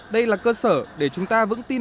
đây là cơ sở để chúng ta vững tin